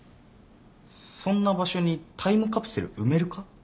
そんな場所にタイムカプセル埋めるか？